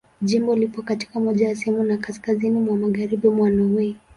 Jimbo lipo katika moja ya sehemu za kaskazini mwa Magharibi mwa Norwei.